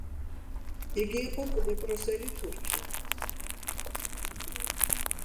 იგი იყო კვიპროსელი თურქი.